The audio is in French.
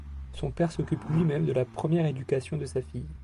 Son père s'occupe lui-même de la première éducation de sa fille.